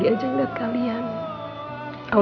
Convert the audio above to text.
ini pancake strawberry paling enak